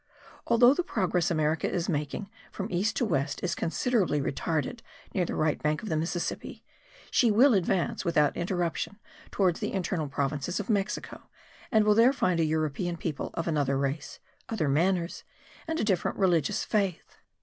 Although the progress America is making from east to west is considerably retarded near the right bank of the Mississippi, she will advance without interruption towards the internal provinces of Mexico, and will there find a European people of another race, other manners, and a different religious faith.